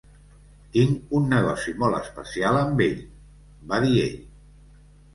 "Tinc un negoci molt especial amb ell, va dir ell.